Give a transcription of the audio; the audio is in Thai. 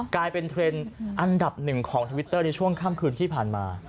กลายเป็นเทรนด์อันดับหนึ่งของทวิตเตอร์ในช่วงค่ำคืนที่ผ่านมา